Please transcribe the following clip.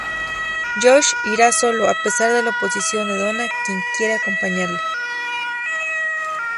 Josh irá solo, a pesar de la oposición de Donna, quien quiere acompañarle.